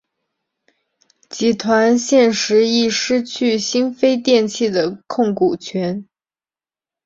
集团现时亦失去新飞电器的控股权。